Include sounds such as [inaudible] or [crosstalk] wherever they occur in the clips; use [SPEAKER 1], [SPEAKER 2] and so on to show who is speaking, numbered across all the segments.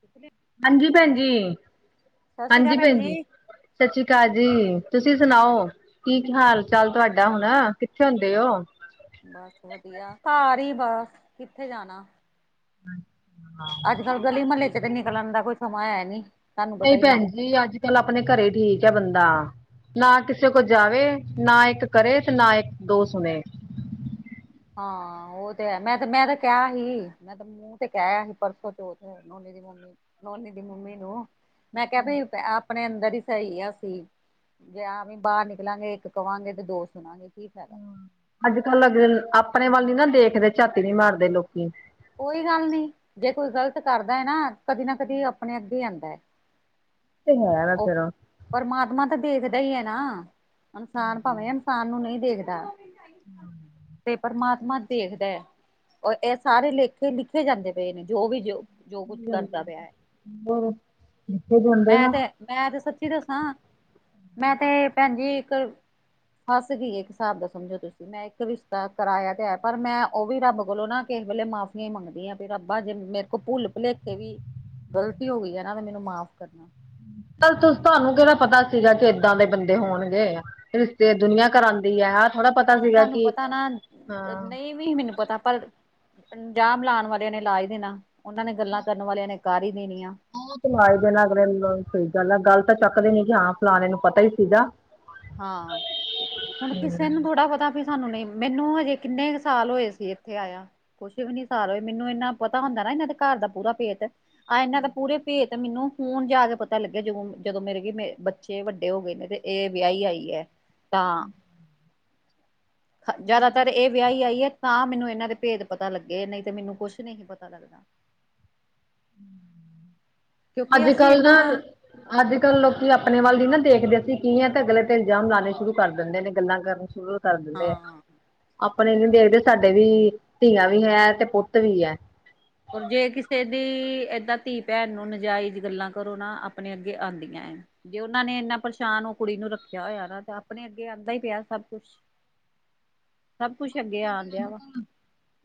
[SPEAKER 1] ਕਿਥਲੇ [unintelligible]
[SPEAKER 2] ਹਾਂਜੀ ਭੈਣ ਜੀ ਹਾਂਜੀ ਭੈਣ ਜੀ ਸਸ਼ੀ ਕਾਲ ਜੀ ਤੁਸੀਂ ਸੁਣਾਓ ਕੀ ਹਾਲ ਚਾਲ ਤੁਹਾਡਾ ਹੁਣ ਕਿੱਥੇ ਹੁੰਦੇ ਅੋ
[SPEAKER 1] ਬਸ ਵਧੀਆ ਘਰ ਈ ਬਾ ਕਿੱਥੇ ਜਾਣਾ
[SPEAKER 2] ਅੱਛਾ [inaudible]
[SPEAKER 1] ਅੱਜ ਕੱਲ੍ਹ ਗਲੀ ਮੱਲੇ ਚ ਤੇ ਨਿਕਲਣ ਦਾ ਕੋਈ ਸਮਾਂ ਹੈ ਨੀ ਪਤਾ
[SPEAKER 2] ਨਈ
[SPEAKER 1] ਹੀ ਹੈ।
[SPEAKER 2] ਭੈਣ ਜੀ ਅੱਜ ਕੱਲ ਆਪਣੇ ਘਰੇ ਠੀਕ ਆ ਬੰਦਾ ਨਾ ਕਿਸੇ ਕੋ ਜਾਵੇ ਨਾ ਇੱਕ ਕਰੇ ਤੇ ਨਾ ਇੱਕ ਦੋ ਸੁਣੇ
[SPEAKER 1] ਹਾਂ ਉਹ ਤੇ ਹੈ ਮੈਂ ਤੇ ਮੈਂ ਤਾਂ ਕੇਨਾਂ ਸੀ ਮੂੰਹ ਤੇ ਕੇਆ ਸੀ ਪਰਸੋਂ ਚੋਥ ਨੋਨੀ ਦੀ ਮੰਮੀ ਨੋਨੀ ਦੀ ਮੰਮੀ ਨੂੰ ਮੈਂ ਕਿਆ ਭੀ ਆਪਣੇ ਅੰਦਰ ਈ ਸਈ ਆ ਅਸੀ ਜੇ ਆਵੀ ਬਾਰ ਨਿਕਲਾਂਗੇ ਇੱਕ ਕਹਾਂਗੇ ਤੇ ਦੋ ਸੁਣਾਂਗੇ ਕੀ ਫਾਇਦਾ
[SPEAKER 2] ਅੱਜ ਕੱਲ ਫੇਰ ਅਪਣੇ ਵੱਲ ਨੀ ਨਾ ਦੇਖਦੇ ਚਾਤੀ ਨੀ ਮਾਰਦੇ ਲੋਕੀ
[SPEAKER 1] ਕੋਈ ਗੱਲ ਨੀ ਜੇ ਕੋਈ ਗ਼ਲਤ ਕਰਦੇ ਨਾ ਕਦੀ ਨਾ ਕਦੀ ਆਪਣੇ ਅੱਗੇ ਆਦਾਂ
[SPEAKER 2] ਏ ਤੇ ਹੈ ਵੇਂ ਫਿਰ [unintelligible]
[SPEAKER 1] ਪਰਮਾਤਮਾ ਤਾਂ ਦੇਖਦਾ ਈ ਹੈ ਨਾ ਇਨਸਾਨ ਭਾਵੇਂ ਇਨਸਾਨ ਨੂੰ ਨਈ ਦੇਖਦਾ ਤੇ ਪਰਮਾਤਮਾ ਦੇਖਦੇ ਏ ਓ ਸਾਰੇ ਲੇਖੇ ਲਿਖੇ ਜਾਂਦੇ ਪਏ ਨੇ ਜੋ ਵੀ ਜੋ ਜੋ ਕੁੱਝ ਕਰਦਾ ਪਿਆ
[SPEAKER 2] ਹੋਰ ਜਿੱਥੇ ਜਾਂਦੇ
[SPEAKER 1] ਮੈਂ
[SPEAKER 2] ਆ
[SPEAKER 1] ਤੇ ਮੈਂ ਤੇ ਸੱਚੀ ਦੱਸਾਂ ਮੈਂ ਤੇ ਭੈਣਜੀ ਇੱਕ ਫਸ ਗਈਏ ਇੱਕ ਸਾਬ ਦਾ ਸਮਝੋ ਤੁਸੀਂ ਮੈਂ ਇੱਕ ਰਿਸ਼ਤਾ ਕਰਾਇਆ ਤੇ ਹੈ ਪਰ ਮੈਂ ਓ ਵੀ ਰੱਬ ਕੋਲੋਂ ਨਾ। ਕਿਸੇ ਵੇਲੇ ਮਾਫੀਆਂ ਈ ਮੰਗਦੀਆਂ ਵੀ ਰੱਬਾ ਜੇ ਮੇਰੇ ਕੋਲ ਭੁੱਲ ਭੁਲੇਖੇ ਵੀ ਗ਼ਲਤੀ ਹੋਗੀ ਐ ਨਾ ਮੈਨੂੰ ਮਾਫ਼ ਕਰਨਾ।
[SPEAKER 2] ਤਾਂ ਤੁ ਤੁਹਾਨੂੰ ਕੇੜਾ ਪਤਾ ਸੀਗਾ ਕਿ ਏਦਾਂ ਦੇ ਬੰਦੇ ਹੋਣਗੇ ਰਿਸ਼ਤੇ ਦੁਨੀਆਂ ਕਰਾਂਦੀ ਐ।
[SPEAKER 1] ਬਸ ਤੁਾਨੂੰ ਪਤਾ ਨਾ ਨਈ ਵੀ ਮੈਨੂੰ ਪਤਾ ਪਰ ਇਲਜਾਮ ਲਾਣ ਵਾਲੇ ਨੇ ਲਾ ਈ ਦੇਣਾ ਉਨਾਂ ਨੇ ਗੱਲਾਂ ਕਰਨ ਵਾਲਿਆਂ ਨੇ ਕਾਰ ਈ ਦੇਣੀ ਆ
[SPEAKER 2] ਆਲਾਏ ਦੇ ਅਗਲੇ ਸਹੀ ਗੱਲ ਆ ਗੱਲ ਤਾਂ ਚੱਕਦੇ ਨੀ ਹਾਂ ਫਲਾਣੇ ਨੂੰ ਪਤਾ ਹੀ ਸੀਗਾ
[SPEAKER 1] ਹਾਂ ਹੁਣ ਕਿਸੇ ਨੂੰ ਥੋੜ੍ਹਾ ਪਤਾ ਵੀ ਸਾਨੂੰ ਨਈ ਮੈਨੂੰ ਕਿੰਨੇ ਕ ਸਾਲ ਹੋਏ ਸੀ ਇੱਥੇ ਆਇਆ ਕੁਛ ਵੀ ਨੀ ਸਾਰ ਹੋਏ, ਮੈਨੂੰ ਏਨਾਂ ਪਤਾ ਹੁੰਦਾ ਨਾ ਏਨਾਂ ਦੇ ਘਰ ਦਾ ਪੂਰਾ ਭੇਤ, ਆ ਇਨਾਂ ਦਾ ਪੂਰੇ ਭੇਤ ਤੇ ਮੈਨੂੰ ਹੁਨ ਜਾ ਕੇ ਪਤਾ ਲੱਗਿਆ, ਜਦੋਂ ਜਦੋਂ ਮੇਰੇ ਕਿ ਬੱਚੇ ਵੱਡੇ ਹੋ ਗਏ ਨੇ, ਤੇ ਏ ਵਿਆਈ ਆਈ ਐ, ਤਾਂ ਜ਼ਾਦਾ ਤਰ ਏ ਵਿਆਈ ਆਈਏ, ਤਾਂ ਮੈਨੂੰ ਏਨਾਂ ਦੇ ਭੇਦ ਪਤਾ ਲੱਗੇ ਐ, ਨਈ ਤੇ ਮੈਨੂੰ ਕੁਛ ਨਈ ਸੀ ਪਤਾ ਲਗਨਾ [inaudible]
[SPEAKER 2] ਅੱਜ ਕੱਲ ਦਾ ਅੱਜ ਕੱਲ੍ਹ ਲੋਕੀ ਆਪਣੇ ਵੱਲ ਨੀ ਨਾ ਦੇਖਦੇ, ਅਸੀਂ ਕੀ ਆ, ਤੇ ਅਗਲੇ ਤੇ ਇਲਜਾਮ ਲਾਣੇ ਸ਼ੁਰੂ ਕਰ ਦਿੰਦੇ ਨੇ, ਗੱਲਾਂ ਕਰਨੀ ਸ਼ੁਰੂ ਕਰ ਦਿੰਦੇ ਆ,
[SPEAKER 1] ਹਾਂ
[SPEAKER 2] ਆਪਣੇ ਨੀ ਦੇਖਦੇ ਸਾਡੇ ਵੀ ਧੀਆਂ ਵੀ ਏ ਤੇ ਪੁੱਤ ਵੀ ਏ
[SPEAKER 1] ਹੁਣ ਜੇ ਕਿਸੇ ਦੀ ਏਦਾਂ ਧੀ ਭੈਣ ਨੂੰ ਨਾਜਾਇਜ਼ ਗੱਲਾਂ ਕਰੋ ਨਾ, ਆਪਣੇ ਅੱਗੇ ਆਦਿਆਂ ਐ। ਜੇ ਓਨਾਂ ਨੇ ਇੰਨਾ ਪਰੇਸ਼ਾਨ ਓ ਕੁੜੀ ਨੂੰ ਰੱਖੇਆ ਹੋਇਆ ਵਾ, ਤਾਂ ਆਪਣੇ ਅੱਗੇ ਆਦਾਂ ਹੀ ਪਿਆ ਸਭ ਕੁਛ ਸਭ ਕੁਛ ਅੱਗੇ ਆਣ ਦਿੰਆ ਵਾ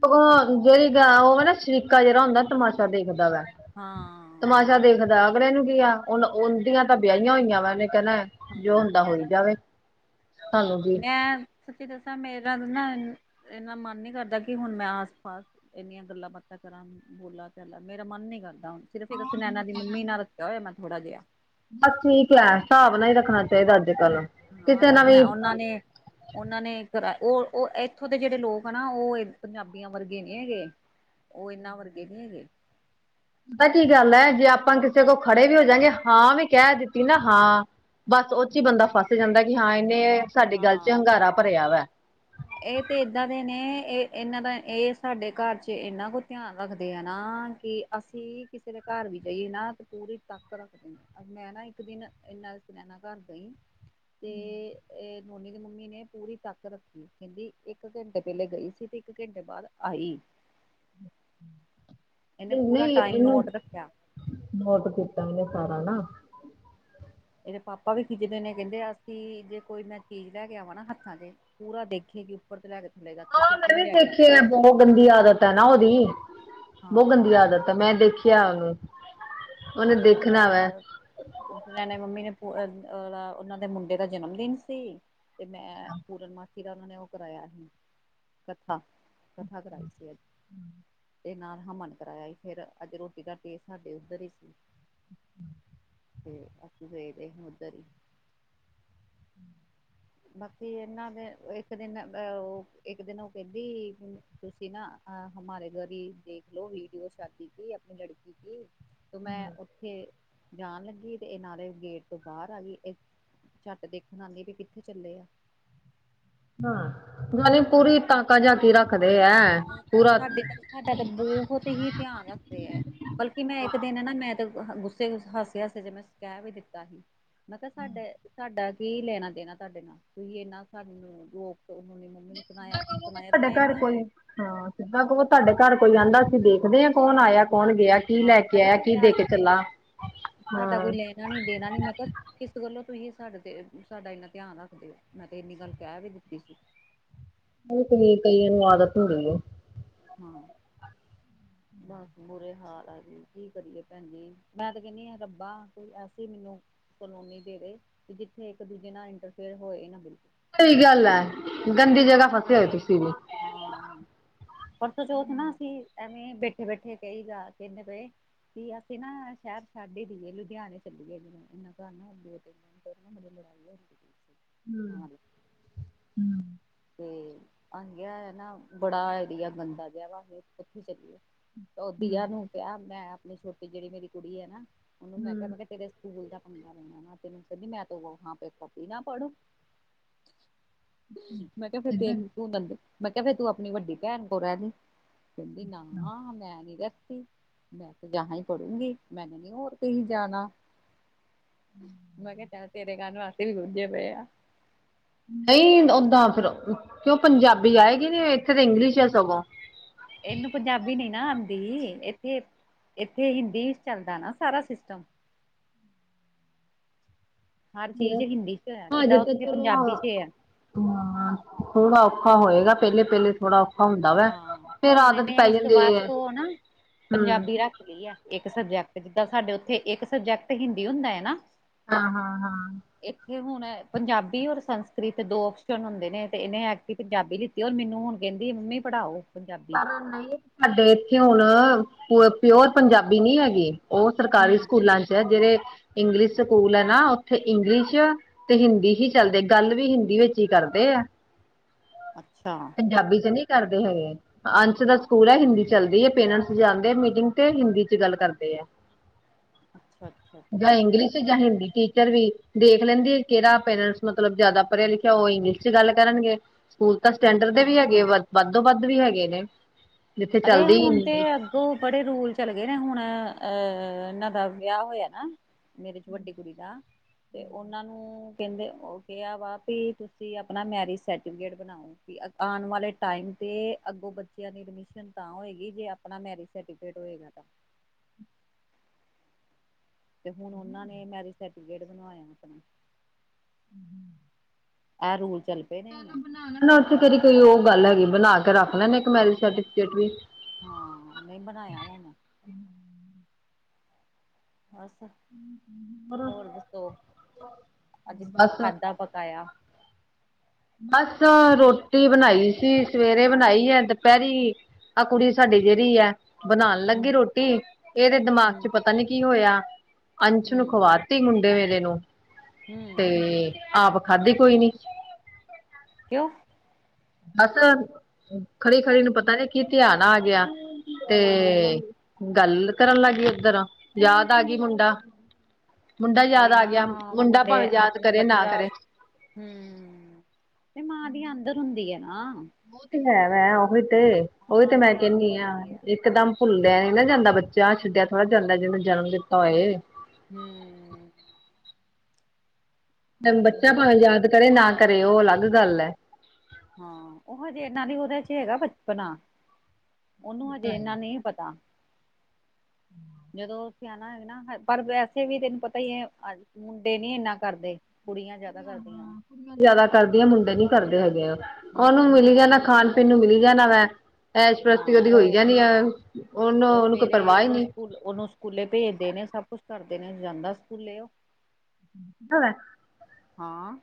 [SPEAKER 2] ਭਗਵਾਨ ਜਿਹੜੀ ਗਾ ਹੋਵੇ ਨਾ, ਸ਼ਰੀਕਾ ਜਿਹੜਾ ਹੁੰਦਾ ਤਮਾਸ਼ਾ ਦੇਖਦਾ ਵਾ।
[SPEAKER 1] ਹਾਂ
[SPEAKER 2] ਛਾ ਦੇਖਦਾ ਅਗਲੇ ਨੂੰ ਕੀ ਐ, ਉਹ ਉਹਦਿਆਂ ਤਾਂ ਵਿਆਹਿਆਂ ਹੋਇਆਂ ਵਾ, ਉਹਨੇ ਕਹਿਣਾ ਜੋ
[SPEAKER 1] ਹਾਂ।
[SPEAKER 2] ਹੁੰਦਾ ਹੋਈ ਜਾਵੇ ਸਾਨੂੰ ਕੀ
[SPEAKER 1] ਮੈਂ ਸਚੀ ਦੱਸਾਂ, ਮੇਰਾ ਨਾ ਇੰਨਾ ਮਨ ਨੀ ਕਰਦਾ, ਕਿ ਹੁਣ ਮੈਂ ਆਸ ਪਾਸ ਏੰਨਿਆਂ ਗੱਲਾਂ ਬਾਤਾਂ ਕਰਾਂ ਬੋਲਾ ਚਾਲਾ, ਮੇਰਾ ਮਨ ਨੀ ਕਰਦਾ ਹੁਣ, ਸਿਰਫ ਇੱਕ ਸੁਨੈਨਾ ਦੀ ਮੰਮੀ ਨਾਲ ਰੱਖੇਆ ਹੋਇਆ ਮੈਂ ਥੋੜਾ ਜੇਆ
[SPEAKER 2] ਬਸ ਠੀਕ ਏ, ਸਾਬ ਨਾਲ ਈ ਰੱਖਣਾ ਚਾਈਦਾ ਅੱਜ ਕੱਲ
[SPEAKER 1] ਹਾਂ ਅਜ
[SPEAKER 2] ਕਿਸੇ ਨਾਲ ਵੀ
[SPEAKER 1] ਜਿੱਤਣਾ, ਉਹਨਾਂ
[SPEAKER 2] ਪਤਾ
[SPEAKER 1] ਨੇ ਓਨਾਂ ਨੇ ਕਰਾ, ਔ ਇੱਥੋਂ ਦੇ ਜੇੜੇ ਲੋਕ ਆ ਨਾ, ਉਹ ਪੰਜਾਬੀਆਂ ਵਰਗੇ ਨਹੀਂ ਹੈਗੇ ਓ ਏਨਾਂ ਵਰਗੇ ਨੀ ਹੈਗੇ
[SPEAKER 2] ਪਤਾ ਕੀ ਗੱਲ ਏ ਜੇ ਆਪਾਂ ਕਿਸੇ ਕੋਲ ਖੜੇ ਵੀ ਹੋ ਜਾਂਗੇ, ਹਾਂ ਵੀੈਂ ਕੇ ਦਿੱਤੀ ਨਾ ਹਾਂ ਬਸ ਔ ਚੀ ਬੰਦਾ ਫਸ ਜਾਂਦੈ ਕਿ ਹਾਂ ਏਨੇ ਸਾਡੀ ਗੱਲ ਚ ਹੰਗਾਰਾ ਭਰਿਆ ਵੈ।
[SPEAKER 1] ਏ ਤੇ ਏਦਾਂ ਦੇ ਨੇ, ਏ ਏਨਾਂ ਦਾ ਏਹ ਸਾਡੇ ਘਰ ਚ, ਇੰਨਾ ਕੁ ਧਿਆਨ ਰੱਖਦੇ ਆ ਨਾ ਕਿ ਅਸੀਂ ਕਿਸੇ ਦੇ ਘਰ ਵੀ ਜਾਈਏ ਨਾ ਤੇ ਪੂਰੀ ਤਕ ਰੱਖਦੇ ਨੇ। ਅਰ ਮੈਂ ਨਾ ਇੱਕ ਦਿਨ ਏਨਾਂ, ਸੁਨੈਨਾ ਘਰ ਗਈ। ਤੇ, ਏ, ਨੋਨੀ ਦੀ ਮੰਮੀ ਨੇ ਪੂਰੀ ਤਾਕ ਰੱਖੀ ਕੀ ਕੈੰਦੀ ਇੱਕ ਘੰਟੇ ਪੈਲੇ ਗਈ ਸੀ, ਤੇ ਇੱਕ ਘੰਟੇ ਬਾਦ ਆਈ। ਇਹਨੇ
[SPEAKER 2] ਨਹੀਂ
[SPEAKER 1] ਪੂਰਾ
[SPEAKER 2] ਨਹੀਂ,
[SPEAKER 1] ਟਾਈਮ
[SPEAKER 2] ਏਨੂੰ
[SPEAKER 1] ਨੋਟ ਰੱਖਿਆ
[SPEAKER 2] ਨੋਟ ਕੀਤਾ ਔਨੇ, ਸਾਰਾ ਨਾ।
[SPEAKER 1] ਏਦੇ ਪਾਪਾ ਵੀ ਖਿੱਜਦੇ ਨੇ, ਕੈੰਦੇ ਅਸੀਂ ਜੇ ਕੋਈ ਮੈਂ ਚੀਜ਼ ਲੈ ਕੇ ਆਵਾਂ ਨਾ, ਹੱਥਾਂ ਤੇ ਪੂਰਾ ਦੇਖੇ ਗੀ। ਉਪਰ ਤੋ, ਲੈ ਕੇ ਥਲੇਦਾ
[SPEAKER 2] ਹਾਂ, ਮੈਂ ਵੀ ਦੇਖੀ ਐ, ਬਹੁਤ ਗੰਦੀ ਆਦਤ ਹੈ ਨਾ ਓਦੀ। ਬੌਹ
[SPEAKER 1] ਹਾਂ
[SPEAKER 2] ਗੰਦੀ ਆਦਤ ਹੈ, ਮੈਂ ਦੇਖਿਆ ਔਨੂੰ, ਔਨੇ ਦੇਖਣੈ ਵੈਂ।
[SPEAKER 1] ਔਥੇ ਰਹਿਣਾ ਮੰਮੀ ਨੇ, ਉਨਾਂ ਦੇ ਮੁੰਡੇ ਦਾ ਜਨਮ ਦਿਨ ਸੀ। ਤੇ ਮੈਂ ਪੂਰਨਮਾਸ਼ੀ ਦਾ ਉਨਾਂ ਨੇ ਓਹ ਕਰਾਯਾ ਸੀ, ਕਥਾ, ਕਥਾ ਕਰਾਈ ਸੀ ਅੱਜ। ਤੇ ਨਾਲ ਹਵਨ ਕਰਾਇਆ ਸੀ, ਫੇਰ ਅੱਜ ਰੋਟੀ ਦਾ ਟੇ ਸਾਡੇ ਉਧਰ ਹੀ ਸ ਤੇ ਅਸੀਂ ਗਏ ਦੇ, ਔੱਧਰ ਹੀ। ਬਾਕੀ ਏਨਾਂ ਦੇ, ਇੱਕ ਦਿਨ ਓ ਇੱਕ ਦਿਨ ਉਹ ਕਹੰਦੀ ਤੁਸੀਂ ਨਾ ਅ ਹਮਾਰੇ ਘਰ ਈ ਦੇਖਲੋ ਵੀਡੀਓ ਸ਼ਾਦੀ ਕੀ, ਆਪਣੀ ਲੜਕੀ ਕੀ ਤੇ ਮੈਂ ਉੱਥੇ ਜਾਣ ਲੱਗੀ ਏ ਤੇ ਨਾਲੇ ਗੇਟ ਤੋਂ ਬਾਹਰ ਆਗੀ, ਏ ਝੱਟ ਦੇਖਣ ਆਂਦੀ ਐ, ਕਿ ਕਿੱਥੇ ਚੱਲੇ ਆ।
[SPEAKER 2] ਹਾਂ, ਨਾਲੀ ਪੂਰੀ ਤਾਕਾ ਜਾਕੀ ਰੱਖਦੇ ਐ,
[SPEAKER 1] ਹਾਂ
[SPEAKER 2] ਪੂਰਾ
[SPEAKER 1] ਸਾਡੇ ਤਾਂ ਸਾਡਾ ਤੇ ਬੌਹਤ ਹੀ ਧਿਆਨ ਰੱਖਦੇ ਐ। ਬਲਕਿ ਮੈਂ ਇਕ ਦਿਨ ਨਾ ਮੈਂ, ਤੇ ਗੁੱਸੇ ਹਾਸੇ-ਹਾਸੇ ਚ ਮੈਂ ਕੈ ਵੀ ਦਿੱਤਾ ਸੀ। ਮੈਂ ਕੇਹਾ ਸਾਡੇ, ਸਾਡਾ ਕੀ ਲੇਣਾ ਦੇਣਾ ਤੁਹਾਡੇ ਨਾਲ ਤੁਹੀ ਏਨਾ ਸਾਨੂੰ ਜੋ ਤੇ ਹੁਣੇ ਮੰਮੀ ਨੂੰ ਸੁਣਾਯਾ, ਸੁਣਾਯਾ ਤੇ ਮੈਂ ਏਹਨੂੰ ਹੀ।
[SPEAKER 2] ਹਾਂ, ਸਿੱਧਾਂ ਕਹੋ ਤੁਹਾਡੇ ਘਰ ਕੋਈ ਆੰਦਾ, ਅਸੀਂ ਦੇਖਦੇ ਆਂ ਕੌਣ ਆਯਾ ਕੌਣ ਗਯਾ। ਕੀ ਲੈ
[SPEAKER 1] ਹਾਂ ਮੈਂ
[SPEAKER 2] ਕੇ
[SPEAKER 1] ਕਿਹਾ
[SPEAKER 2] ਆਯਾ, ਕੀ ਦੇ
[SPEAKER 1] ਸਾਡਾ
[SPEAKER 2] ਕੇ ਚਲਾ, ਹਾਂ।
[SPEAKER 1] ਕਿਸ ਗੱਲੋਂ ਤੁਸੀ, ਸਾਡੇ ਤੇ, ਸਾਡਾ ਇੰਨਾ ਧਿਆਨ ਰੱਖਦੇ ਔ, ਮੈਂ ਤੇ ਇੰਨੀ ਗੱਲ ਕੈ ਵੀ ਦਿੱਤੀ ਸੀ।
[SPEAKER 2] ਐਵੀ ਕਈਏ ਕਈਆ ਨੂੰ ਆਦਤ ਹੁੰਦੀ ਏ।
[SPEAKER 1] ਹੂੰ। ਬਾਸ ਬੁੁਰੇ ਹਾਲ ਆ ਜੀ, ਕੀ ਕਰੀਏ ਭੈਣਜੀ? ਮੈਂ ਤੇ ਕੈੰਣੀ ਆ ਰੱਬਾ ਕੋਈ ਐਸੀ ਮੀਨੂੰ ਕਲੋਨੀ ਦੇਵੇ ਤੇ ਜਿੱਥੇ ਇੱਕ-ਦੂਜੇ ਨਾਲ ਇੰਟਰਫੇਅਰ ਹੋਏ ਨਾ ਬਿਲਕੁਲ।
[SPEAKER 2] ਸਹੀ ਗੱਲ ਐ, ਗੰਦੀ ਜਗ੍ਹਾ ਫਸੇ ਹੋਏ ਤੁਸੀਂ ਵੀ।
[SPEAKER 1] ਹਾਂ। ਪਰਸੋਂ ਚੌਥ ਨਾ ਅਸੀਂ ਐਵੇਂ ਬੈਠੇ-ਬੈਠੇ ਕਈ ਜਾ ਕੇੰਦੇ ਪਏ ਕੀ ਅਸੀਂ ਨਾ ਐ ਸੈ਼ਰ ਛੱਡ ਹੀ ਦੇਈਏ ਲੁਧਿਆਣੇ ਚੱਲੀਏ ਜ ਏਨਾ ਘਰ ਨਾ ਅਗੇ ਹੋਕੇ। [inaudible] ਐਣ ਫੇਰ ਨਾ ਮੇਰੀ ਲੜਾਈ ਹੋਰੀ ਗੀ। [inaudible]
[SPEAKER 2] ਹੂੰ ਹੂੰ।
[SPEAKER 1] ਤੇ ਆਹੀਂ ਕੇਆ ਨਾ ਬੜਾ ਏਰੀਆ ਗੰਦਾ ਜਾ ਵਾ ਵੇ ਕੱਥੇ ਚੱਲੀਏ। ਔ ਬੀਆ ਨੂੰ ਕਿਹਾ ਮੈਂ ਆਪਣੀ ਛੋਟੀ ਜੇੜੀ ਮੇਰੀ ਕੁੜੀ ਐ ਨਾ ਉਨੂੰ ਮੈਂ ਕਿਹਾ ਮੈਂ ਕੈ ਤੇਰੇ ਸਕੂਲ ਦਾ ਪੰਗਾ ਪੈਣਾ ਨਾ ਤੈਨੂੰ ਕੈੰਦੀ ਮੈਂ ਤੋ ਵਹਾ ਪੇ ਕਭੀ ਨਾ ਪੜੂ।
[SPEAKER 2] ਉਂ ਉਂ। [inaudible]
[SPEAKER 1] ਮੈਂ ਕਿਹਾ ਫੇਰ ਤੇਨ ਤੂੰ ਨੰਦ ਮੈਂ ਕਿਹਾ ਫੇਰ ਤੂੰ ਅਪਣੀ ਵੱਡੀ ਭੈਣ ਕੋਲ ਰੈਹਲੀ। ਕੈੰਦੀ ਨਾ ਆ ਮੈਂ ਨੀ ਰੈਹਤੀ। ਮੈਂ ਤੋ ਯਾਹਾਂ ਹੀ ਪੜੂਗੀ ਮੈਨੇ ਨੀ ਹੋਰ ਕਹੀ ਜਾਣਾ। ਮੈਂ ਕਿਹਾ ਸੈ਼ਦ ਤੇਰੇ ਕਾਨ ਵੈਸੇ ਵੀ ਰੂੱਜੇ ਪਏ ਆ।
[SPEAKER 2] ਨਹੀਂ ਓਦਾਂ ਫਿਰ ਕਿਉਂ ਪੰਜਾਬੀ ਆਏਗੀ ਨੀ ਏਥੇ ਤੇ ਇੰਗਲਿਸ਼ ਹੈ ਸਗੋਂ।
[SPEAKER 1] ਇਹਨੂੰ ਪੰਜਾਬੀ ਨੀ ਨਾ ਆਦੀ ਇੱਥੇ ਇੱਥੇ ਹਿੰਦੀ ਚੱਲਦਾ ਨਾ ਸਾਰਾ ਸਿਸਟਮ। ਹਰ ਚੀਜ਼ ਹਿੰਦੀ 'ਚ ਹੈ ਜਿੱਦਾਂ
[SPEAKER 2] ਹਜੇ ਤਾਂ
[SPEAKER 1] ਉੱਥੇ
[SPEAKER 2] ਚਲੋ
[SPEAKER 1] ਪੰਜਾਬੀ 'ਚ ਐ।
[SPEAKER 2] ਹਾਂ ਥੋੜਾ ਔਖਾ ਹੋਏਗਾ ਪਹਿਲੇ-ਪਹਿਲੇ ਥੋੜਾ ਔਖਾ ਹੁੰਦਾ ਵਾ
[SPEAKER 1] ਹਾਂ
[SPEAKER 2] ਫੇਰ
[SPEAKER 1] ਹੁਣ
[SPEAKER 2] ਆਦਤ
[SPEAKER 1] ਇਹਨੇ
[SPEAKER 2] ਪੈ
[SPEAKER 1] ਇਸ
[SPEAKER 2] ਜਾਂਦੀ
[SPEAKER 1] ਵਸ
[SPEAKER 2] ਹੈ
[SPEAKER 1] ਤੋਂ ਨਾ
[SPEAKER 2] ਹਮ
[SPEAKER 1] ਪੰਜਾਬੀ ਰੱਖ ਲਈ ਐ। ਇੱਕ ਸਬਜੈਕਟ ਜਿੱਦਾਂ ਸਾਡੇ ਉੱਥੇ ਇੱਕ ਸਬਜੈਕਟ ਹਿੰਦੀ ਹੁੰਦਾ ਹੈ ਨਾ।
[SPEAKER 2] ਹਾਂ ਹਾਂ ਹਾਂ।
[SPEAKER 1] ਇੱਥੇ ਹੁਣ ਪੰਜਾਬੀ ਔਰ ਸੰਸਕ੍ਰਿਤ ਦੋ ਓਪਸ਼ਨ ਹੁੰਦੇ ਨੇ ਤੇ ਇਹਨੇ ਐਕਟਿਵ ਪੰਜਾਬੀ ਦਿੱ ਤੇ ਉਹ ਮੈਨੂੰ ਹੁਣ ਕਹਿੰਦੀ ਆ ਮੰਮੀ ਪੜ੍ਹਾਓ। ਪੰਜਾਬੀ
[SPEAKER 2] ਪਰ ਨਹੀਂ ਸਾਡੇ ਇੱਥੇ ਹੁਣ ਪਿਓਰ ਪੰਜਾਬੀ ਨਹੀਂ ਹੈਗੀ। ਉਹ ਸਰਕਾਰੀ
[SPEAKER 1] ਹਮ
[SPEAKER 2] ਸਕੂਲਾਂ ਚ ਜਿਹੜੇ ਇੰਗਲਿਸ਼ ਸਕੂਲ ਹੈ ਨਾ ਉੱਥੇ ਇੰਗਲਿਸ਼ ਤੇ ਹਿੰਦੀ ਹੀ ਚੱਲਦੇ ਗੱਲ ਵੀ ਹਿੰਦੀ ਵਿੱਚ ਹੀ ਕਰਦੇ ਆ
[SPEAKER 1] ਅੱਛਾ!
[SPEAKER 2] ਪੰਜਾਬੀ ਚ ਨਹੀ ਕਰਦੇ ਹੈਗੇ? ਅੰਸ਼ ਦਾ ਸਕੂਲ ਹੈ ਹਿੰਦੀ ਚਲਦੀ ਹੈ ਪੇਰੈਂਟਸ ਜਾਂਦੇ ਮੀਟਿੰਗ ਤੇ ਹਿੰਦੀ 'ਚ ਗੱਲ ਕਰਦੇ ਆ।
[SPEAKER 1] ਅੱਛਾ ਅੱਛਾ
[SPEAKER 2] ਜਾਂ
[SPEAKER 1] ਅੱਛਾ
[SPEAKER 2] ਇੰਲਿਸ਼ ਜਾਂ ਹਿੰਦੀ ਟੀਚਰ ਵੀ ਦੇਖ ਲੈਂਦੇ ਕਿਹੜਾ ਪੇਰੈਂਟਸ ਮਤਲਬ ਜ਼ਿਆਦਾ ਪੜ੍ਹਿਆ ਲਿਖਿਆ ਉਹ ਇੰਗਲਿਸ਼ ਚ ਗੱਲ ਕਰਨਗੇ। ਸਕੂਲ ਤਾਂ
[SPEAKER 1] ਹਮ
[SPEAKER 2] ਸਟੈਂਡਰਡ ਦੇ
[SPEAKER 1] ਹਮ
[SPEAKER 2] ਵੀ ਹੈਗੇ ਵ ਵੱਧੋ ਵੱਧ ਵੀ ਹੈਗੇ ਨੇ। ਜਿੱਥੇ
[SPEAKER 1] ਅਰੈ
[SPEAKER 2] ਚੱਲਦੀ ਹੀ
[SPEAKER 1] ਹੁਣ ਤੇ
[SPEAKER 2] ਹਿੰਦੀ
[SPEAKER 1] ਕੋ ਬੜੇ ਰੂਲ ਚੱਲ ਗੇ ਨਾ ਹੁਣ ਅਹ ਇਨਾਂ ਦਾ ਵਿਆਹ ਹੋਯਾ ਨਾ। ਮੇਰੇ ਚ ਵੱਡੀ ਕੁੜੀ ਦਾ ਕਿ ਓਨਾਂ ਨੂੰ ਕੈੰਦੇ ਓਹ ਕਿਆ ਵਾ ਪੁ ਤੁਸੀਂ ਆਪਣਾ ਮੈਰਿਜ ਸਰਟੀਫਿਕੇਟ ਬਣਾਓ। ਹੁੰਫੀ ਆਣ ਵਾਲੇ ਟਾਈਮ ਤੇ ਅੱਗੋਂ ਬੱਚਿਆਂ ਦੀ ਐਡਮਿਸ਼ਨ ਸ਼ਨ ਤਾਂ ਹੋਏਗੀ ਜੇ ਆਪਣਾ ਮੈਰਿਜ ਸਰਟੀਫਿਕੇਟ ਹੋਏਗਾ ਤਾ। ਤੇ ਹੁਣ ਓਨਾਂ ਨੇ ਮੈਰਿਜ ਸਰਟੀਫਿਕੇਟ ਬਣਵਾਯੈ ਆਪਣਾ।
[SPEAKER 2] ਹੂੰ
[SPEAKER 1] ਐ ਰੂਲ ਚੱਲ ਪਏ ਨੇ ਹੁਣ।
[SPEAKER 2] ੇ [inaudible] ਤੇ ਕੋਈ ਉਹ ਗੱਲ ਹੈਗੀ ਬਣਾ ਕੇ ਰੱਖ ਲੈਣਾ ਇੱਕ ਮੈਰਿਜ ਸਰਟੀਫਿਕੇਟ ਵੀ
[SPEAKER 1] ਹਾਂ ਨਹੀਂ ਬਣਾਇਆ ਵਾਂ ਮੈ ਅਸਾ ਹੋਰ ਦੱਸੋ ਅੱਜ ਕੀ
[SPEAKER 2] ਬਸ
[SPEAKER 1] ਖਾਧਾ ਪਕਾਇਆ?
[SPEAKER 2] ਬਸ ਰੋਟੀ ਬਣਾਈ ਸੀ ਸਵੇਰੇ ਬਣਾਈ ਹੈ ਦੁਪਹਿਰੀ ਆਹ ਕੁੜੀ ਸਾਡੀ ਗਿਰੀ ਐ ਬਨਾਨ ਲੱਗੀ
[SPEAKER 1] ਹਮ
[SPEAKER 2] ਰੋਟੀ, ਇਹਦੇ ਦਿਮਾਗ ਚ
[SPEAKER 1] ਹਮ
[SPEAKER 2] ਪਤਾ ਨੀ ਕੀ ਹੋਇਆ ਅੰਸ਼ ਨੂੰ
[SPEAKER 1] ਹਮ
[SPEAKER 2] ਖਵਾ ਤੀ ਮੁੰਡੇ ਮੇਰੇ ਨੂੰ
[SPEAKER 1] ਹਮ
[SPEAKER 2] ਤੇ ਆਪ ਖਾਧੀ ਕੋਈ ਨੀ।
[SPEAKER 1] ਕਿਉਂ?
[SPEAKER 2] ਬਸ ਖੜੀ-ਖੜੀ ਨੂੰ ਪਤਾ ਨੀ ਕੀ ਧਿਆਨ ਆ ਗਿਆ ਤੇ
[SPEAKER 1] ਅੱਛਾ
[SPEAKER 2] ਗੱਲ ਕਰਨ ਲੱਗ ਗਈ ਏਧਰ ਯਾਦ ਆ ਗੀ ਮੁੰਡਾ। ਮੁੰਡਾ ਯਾਦ
[SPEAKER 1] ਉਹੀ
[SPEAKER 2] ਆ
[SPEAKER 1] ਨਾ
[SPEAKER 2] ਗਿਆ, ਮੁੰਡਾ
[SPEAKER 1] ਮੁੰਡੇ
[SPEAKER 2] ਭਾਵੇਂ ਯਾਦ
[SPEAKER 1] ਆਪਣੇ
[SPEAKER 2] ਕਰੇ ਨਾ
[SPEAKER 1] ਬੱਚਾ
[SPEAKER 2] ਕਰੇ।
[SPEAKER 1] ਹੂੰ ਫੇਰ ਮਾਂ ਦੀ ਆਂਦਰ ਹੁੰਦੀ ਹੈ ਨਾ।
[SPEAKER 2] ਉਹ ਤੇ ਹੈ, ਹੈ ਓਹੀ ਤੇ, ਓਹੀ ਤੇ
[SPEAKER 1] ਮਾਂ
[SPEAKER 2] ਮੈਂ
[SPEAKER 1] ਦੀ ਅੰਦਰ
[SPEAKER 2] ਕਹਿਨੀ ਹਾਂ
[SPEAKER 1] ਹੁੰਦੀ ਹੈ
[SPEAKER 2] ਇਕਦਮ ਭੁੱਲਿਆ ਨੀ ਨਾ ਜਾਂਦਾ ਬੱਚਾ, ਛੱਡਿਆ ਥੋੜ੍ਹਾ ਜਾਂਦਾ ਜਿਹਨੇ ਜਨਮ ਦਿੱਤਾ ਹੋਏ।
[SPEAKER 1] ਹੂੰ।
[SPEAKER 2] [unintelligible]
[SPEAKER 1] ਅੰਦਰ
[SPEAKER 2] ਬੱਚਾ
[SPEAKER 1] ਹੁੰਦੀ
[SPEAKER 2] ਭਾਵੇਂ
[SPEAKER 1] ਹੈ।
[SPEAKER 2] ਯਾਦ ਕਰੇ ਨਾ ਕਰੇ ਉਹ ਅਲੱਗ ਗੱਲ ਐ।
[SPEAKER 1] ਹਾਂ ਉਹ ਹਜੇ ਇਹਨਾਂ ਦੀ ਉਹਦੇ ਚ ਹੈਗਾ ਬਚਪਨਾ। ਉਹਨੂੰ ਹਜੇ ਇਨਾ
[SPEAKER 2] ਕੁੜੀਆਂ
[SPEAKER 1] ਨਹੀਂ ਪਤਾ। ਜਦੋਂ ਸਿਆਣਾ ਹੋਗਾ ਨਾ ਪਰ ਵੈਸੇ ਵੀ ਤੈਨੂੰ ਪਤਾ ਹੀ ਏ ਅੱਜ ਮੁੰਡੇ ਨੀ ਇਨਾ ਕਰਦੇ, ਕੁੜੀਆਂ ਜਿਆਦਾ ਕਰਦੀਆਂ ਵਾ।
[SPEAKER 2] ਕੁੜੀਆਂ ਜਿਆਦਾ ਕਰਦੀਆਂ, ਮੁੰਡੇ ਨੀ ਕਰਦੇ ਹੈਗੇ, ਉਹਨੂੰ
[SPEAKER 1] ਹੂੰ
[SPEAKER 2] ਮਿਲੀ ਜਾਨਾਂ ਖਾਨ ਪੀਨ ਨੂੰ ਮਿਲੀ ਜਾਨਾਂ ਵੈ। ਐਸ਼
[SPEAKER 1] ਹਾਂ
[SPEAKER 2] ਪ੍ਰਸਤੀ ਉਹਦੀ ਹੋਈ
[SPEAKER 1] ਉਹ
[SPEAKER 2] ਜਾਨੀ ਆ, ਉਹਨੂੰ, ਉਹਨੂੰ ਕੋਈ ਪਰਵਾਹ ਹੀ ਨੀ।
[SPEAKER 1] [unintelligible] ਓਹਨੂੰ ਸਕੂਲੇ ਭੇਜਦੇ ਨੇ, ਸਭ ਕੁਛ ਕਰਦੇ ਨੇ, ਜਾਂਦਾ ਸਕੂਲੇ ਉਹ।
[SPEAKER 2] [unintelligible]
[SPEAKER 1] ਹਾਂ।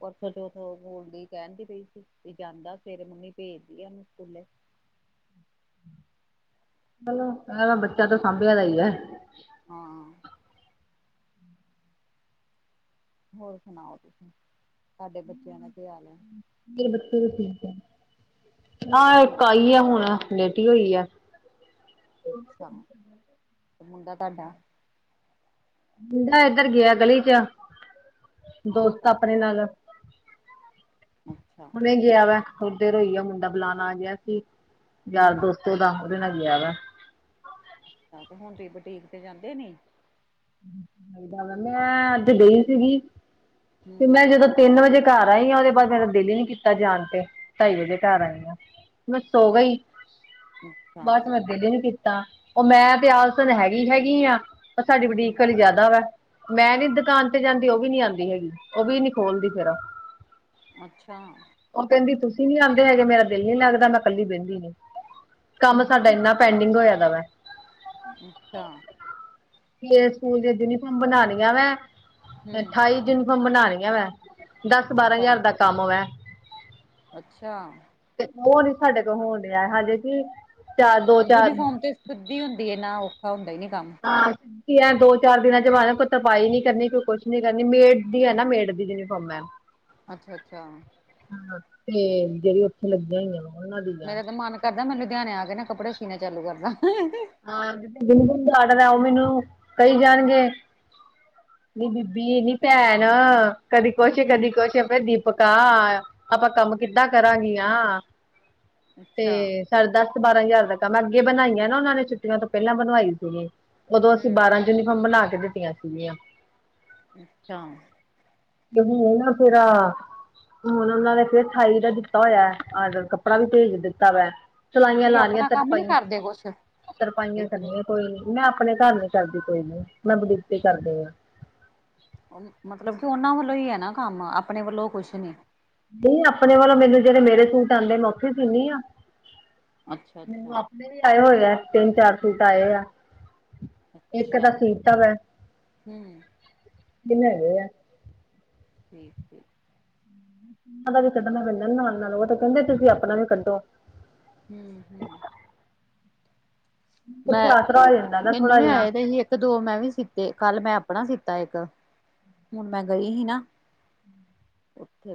[SPEAKER 1] ਪਰਥੋਂ ਚੋਥ ਬੋਲਦੀ ਕਹਿਦੀ ਪਈ ਸੀ, ਵੀ ਜਾਂਦਾ ਸਵੇਰੇ ਮੰਮੀ ਭੇਜਦੀ ਐ ਉਹਨੂੰ ਸਕੂਲੇ।
[SPEAKER 2] ਚਲੋ ਇਹਨਾਂ ਦਾ ਬੱਚਾ ਤਾਂ ਸਾਂਭਿਆ ਦਾ ਹੀ ਐ।
[SPEAKER 1] ਹਾਂ। ਹੋਰ ਸੁਣਾਓ ਤੁਸੀਂ, ਸਾਡੇ ਬੱਚਿਆਂ ਦਾ ਕੀ ਹਾਲ ਐ?
[SPEAKER 2] ਮੇਰੇ ਬੱਚੇ ਤੇ ਠੀਕ ਐ, ਆਹ
[SPEAKER 1] ਠੀਕ
[SPEAKER 2] ਇੱਕ ਆਈ ਐ ਹੁਨ ਲੇਟੀ ਹੋਈ ਐ।
[SPEAKER 1] ਅੱਛਾ ਤੇ ਮੁੰਡਾ ਤੁਹਾਡਾ?
[SPEAKER 2] ਮੁੰਡਾ ਏਧਰ ਗਿਆ ਗਲੀ 'ਚ ਦੋਸਤ
[SPEAKER 1] ਅੱਛਾ
[SPEAKER 2] ਆਪਨੇ ਨਾਲ।
[SPEAKER 1] ਅੱਛਾ।
[SPEAKER 2] ਨੇ ਗਿਆ ਵਾ ਥੋੜੀ ਦੇਰ ਹੋਈ ਆ, ਮੁੰਡਾ ਬੁਲਾਨ ਆ ਗਿਆ ਸੀ, ਯਾਰ
[SPEAKER 1] ਹਮ
[SPEAKER 2] ਦੋਸਤ ਓਹਦਾ, ਉਹਦੇ ਨਾਲ ਗਿਆ ਵਾ।
[SPEAKER 1] ਅੱਛਾ ਤੇ ਹੁਨ ਤੁਹੀ ਬੁਟੀਕ ਤੇ ਜਾਂਦੇ ਨੀ।
[SPEAKER 2] [unintelligible] ਮੈਂ ਅੱਜ ਗਈ ਸੀਗੀ ਤੇ
[SPEAKER 1] ਹਮ
[SPEAKER 2] ਮੈਂ ਜਦੋਂ ਤਿੰਨ ਵਜੇ ਘਰ ਆਈ ਆ, ਉਹਦੇ ਬਾਅਦ ਮੇਰਾ ਦਿਲ ਹੀ ਨੀ ਕੀਤਾ ਜਾਨ ਤੇ ਢਾਈ ਵਜੇ ਘਰ ਆਈ ਆਾਂ। ਮੈਂ ਸੋ ਗਈ।
[SPEAKER 1] ਅੱਛਾ
[SPEAKER 2] ਬਸ ਮੈਂ ਦਿਲ ਹੀ ਨੀ ਕੀਤਾ, ਉਹ ਮੈਂ ਤੇ ਆਲਸਨ ਹੈਗੀ, ਹੈਗੀ ਆਂ। ਸਾਡੀ
[SPEAKER 1] ਹਮ
[SPEAKER 2] ਬੁਟੀਕ ਵਾਲੀ ਜਾਦਾ ਵਾ। ਮੈਂ ਨੀ ਦੁਕਾਨ ਤੇ ਜਾਂਦੀ, ਉਹ ਵੀ ਨੀ ਆਂਦੀ ਹੈਗੀ, ਉਹ ਵੀ ਨੀ ਖੋਲਦੀ ਫੇਰ।
[SPEAKER 1] ਅੱਛਾ।
[SPEAKER 2] ਉਹ ਕਹਿੰਦੀ ਤੁਸੀਂ ਨੀ ਆਂਦੇ ਹੈਗੇ, ਮੇਰਾ ਦਿਲ ਨੀ ਲੱਗਦਾ ਮੈਂ ਕੱਲੀ ਬਹਿੰਦੀ ਨੀ ਕੰਮ ਸਾਡਾ ਇੰਨਾ ਪੈਂਡਿੰਗ ਹੋਇਆ ਦਾ ਵੈ।
[SPEAKER 1] ਅੱਛਾ।
[SPEAKER 2] ਪਲੇ ਸਕੂਲ ਦੀ ਯੂਨੀਫਾਰਮ ਬਨਾਨੀਆਂ ਵੈ, ਮੈਂ
[SPEAKER 1] ਹਮ
[SPEAKER 2] ਅਠਾਈ ਜੂਨ ਬਨਾਨੀਆਂ ਮੈਂ, ਦਸ ਬਾਰਾਂ
[SPEAKER 1] ਅੱਛਾ
[SPEAKER 2] ਹਜ਼ਾਰ ਦਾ ਕੰਮ ਵੈ।
[SPEAKER 1] ਅੱਛਾ।
[SPEAKER 2] ਤੇ ਉਹ ਨੀ ਸਾਡੇ ਕੋਲ ਹੋਣ ਡਿਆ, ਹਜੇ ਕੀ
[SPEAKER 1] ਅਹ ਯੂਨੀਫਾਰਮ ਤੇ ਸਿੱਧੀ ਹੁੰਦੀ ਐ ਨਾ, ਔਖਾ ਹੁੰਦਾ ਹੀ ਨੀ ਕੰਮ।
[SPEAKER 2] ਹਾਂ [unintelligible] ਕੀ ਐ ਦੋ ਚਾਰ ਦਿਨਾਂ 'ਚ [unintelligible] ਕੋਈ ਤੁਰਪਾਈ ਨੀ ਕਰਨੀ, ਕੋਈ ਕੁਛ ਨੀ ਕਰਨੀ, ਮੇੜ ਦੀ ਹੈ ਨਾ ਮੇੜ ਦੀ ਯੂਨੀਫਾਰਮ ਐ। [unintelligible]
[SPEAKER 1] ਅੱਛਾ- ਅੱਛਾ।
[SPEAKER 2] ਹਾਂ। ਤੇ ਜਿਹੜੀ ਉੱਥੇ ਲੱਗੀਆਂ ਹੋਈਆਂ ਵ।
[SPEAKER 1] ਮੇਰਾ ਤੇ ਮਨ ਕਰਦਾ ਮੈਨੂੰ ਲੁਧਿਆਣੇ ਆ ਕੇ ਨਾ ਕੱਪੜੇ ਸੀਣੇ ਚਾਲੂ ਕਰਦਾ।
[SPEAKER 2] ਹਾਂ। ਜਿ ਦਿਨ ਗਨ ਦਾ ਆਡਰ ਹੈ ਉਹ ਮੈਨੂੰ ਕਹੀ ਜਾਣਗੇ। ਨ ਬੀਬੀ। ਇਹ ਨੀ ਭੈਣ, ਕਦੇ ਕੁਛ
[SPEAKER 1] ਹੂੰ,
[SPEAKER 2] ਕਦੀ ਕੁਛ ਦੀਪਿਕਾ, ਆਪਾਂ ਕੰਮ ਕਿੱਦਾਂ ਕਰਾਂਗੀ ਆ। ਤੇ
[SPEAKER 1] ਅੱਛਾ,
[SPEAKER 2] ਸਾਡੇ ਦਸ- ਬਾਰਾਂ ਹਜ਼ਾਰ ਦਾ ਕੰਮ ਅੱਗੇ ਬਣਾਈਆਂ ਨਾ। ਉਹਨਾਂ ਨੇ ਛੁੱਟੀਆਂ ਤੋਂ ਪਹਿਲਾਂ ਬਣਵਾਈ ਸੀਗੀ। ਉਦੋਂ ਅਸੀਂ
[SPEAKER 1] ਹੂੰ।
[SPEAKER 2] ਬਾਰਾਂ ਯੂਨੀਫਾਰਮ ਬਣਾ ਕੇ ਦਿੱਤੀਆਂ ਸੀਗੀਆਂ।
[SPEAKER 1] ਅੱਛਾ।
[SPEAKER 2] ਕਿ ਨਾ ਫੇਰ ਹੁਣ ਉਹਨਾ ਨੇ ਫਿਰ ਅਠਾਈ ਦਾ ਦਿੱਤਾ ਹੋਇਆ ਆਰਡਰ। ਕੱਪੜਾ ਵੀ ਭੇਜ ਦਿੱਤਾ ਵਾ।
[SPEAKER 1] ਤੇ
[SPEAKER 2] ਸਲਾਈਆਂ
[SPEAKER 1] ਤੁਸੀਂ
[SPEAKER 2] ਲਾ ਲਈਆਂ।
[SPEAKER 1] ਆਪਣਾ ਕੰਮ ਨੀ
[SPEAKER 2] ਤਰਪਾਈਆਂ,
[SPEAKER 1] ਕਰਦੇ ਕੁਛ
[SPEAKER 2] ਤਰਪਾਈਆਂ
[SPEAKER 1] ਇੱਧਰੋਂ?
[SPEAKER 2] ਕਰਨੀਆਂ। ਕੋਈ ਨ ਮੈਂ ਆਪਣੇ ਘਰ ਨੀ ਕਰਦੀ ਕੋਈ ਨੀ। ਮੈਂ ਬਡੀਕ ਕਰਦੇ ਹਾਂ।
[SPEAKER 1] ਮਤਲਬ ਕਿ ਉਹਨਾਂ ਵੱਲੋਂ ਹੀ ਹੈ ਨਾ ਕੰਮ, ਆਪਣੇ ਵੱਲੋਂ ਕੁਛ ਨੀ।
[SPEAKER 2] ਨਹੀਂ, ਆਪਣੇ ਵੋਂ ਮੈਨ ਜਿਹੜੇ ਮੇਰੇ ਸੂਟ ਆਉਂਦੇ ਮੈਂ ਉੱਥੇ ਸੀਨੀ ਆਂ। ਮੈਨੂੰ
[SPEAKER 1] ਅੱਛਾ-ਅੱਛਾ, ਅੱਛਾ।
[SPEAKER 2] ਆਪਣੇ ਵੀ ਆਏ ਹੋਏ ਆ ਤਿੰਨ- ਚਾਰ ਸੂਟ ਆਏ ਆ। ਇੱਕ ਤਾਂ
[SPEAKER 1] ਅੱਛਾ,
[SPEAKER 2] ਸੀਤਾ ਹੈ।
[SPEAKER 1] ਹੂੰ।
[SPEAKER 2] ਤਿੰਨ ਹੈਗੇ ਆ।
[SPEAKER 1] ਠੀਕ- ਠੀਕ।
[SPEAKER 2] ਉਹ ਦਾ ਵੀ ਕੱਢਣਾ ਪੈਂਦਾ ਨਾ ਨਾਲ- ਨਾਲ ਉਹ ਤਾਂ ਕਹਿੰਦੇ ਤੁਸੀਂ ਆਪਣਾ ਵੀ ਕੱਢੋ।
[SPEAKER 1] ਹਮ- ਹਮ।
[SPEAKER 2] ਉੱਥੇ
[SPEAKER 1] ਮੈਂ,
[SPEAKER 2] ਆਸਰਾ ਹੋ ਜਾਂਦਾ ਨਾ
[SPEAKER 1] ਮੈਨੂੰ
[SPEAKER 2] ਥੋੜਾ
[SPEAKER 1] ਵੀ
[SPEAKER 2] ਜਿਹਾ
[SPEAKER 1] ਆਏ ਦੇ ਸੀ ਇੱਕ- ਦੋ ਮੈਂ ਵੀ ਸੀਤੇ ਕੱਲ ਮੈਂ ਆਪਣਾ ਸੀਤਾ ਇੱਕ। ਹੁਣ ਮੈਂ ਗਈ ਸੀ ਨਾ। ਉੱਥੇ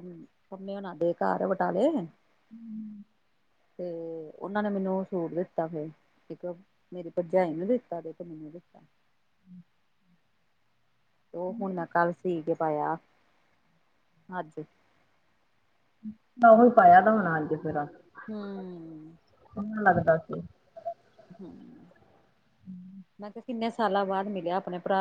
[SPEAKER 1] ਪੰਮੇ ਉਹਣਾ ਦੇ ਘਰ ਬਟਾਲੇ।
[SPEAKER 2] ਹਮ।
[SPEAKER 1] ਤੇ ਉਹਨਾਂ ਨੇ ਮੈਨੂੰ ਸੂਟ ਦਿੱਤਾ। ਫਿਰ ਇਕ ਮੇਰੀ ਭਰਜਾਾਈ ਨੂੰ ਦਿੱਤਾ ਤੇਨੂੰ ਦਿੱਤਾ। ਉਹ ਹੁਣ ਮੈਂ ਕੱਲ ਸੀ ਕੇ ਪਾਇਆ। ਅੱਜ
[SPEAKER 2] ਉਹੀ ਪਾਇਆ ਤਾਂ ਹੁਣਾ ਅੱਜ ਫਿਰ ਆ।
[SPEAKER 1] ਹਮ।
[SPEAKER 2] ਸਨਾ ਲੱਗਦਾ ਸੀ।
[SPEAKER 1] ਹਮ। ਮੈਂ ਕਿਹਾ, ਕਿੰਨੇ ਸਾਲਾਂ ਬਾਅਦ ਮਿਲਿਆ ਆਪਣੇ ਭਰਾ।